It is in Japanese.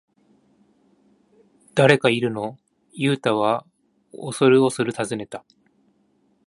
「誰かいるの？」ユウタはおそるおそる尋ねた。